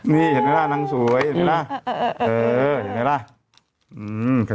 นี่เห็นไหมล่ะนางสวยเห็นไหมล่ะ